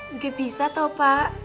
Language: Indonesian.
nggak bisa tau pak